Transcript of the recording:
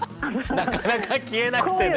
なかなか消えなくてね。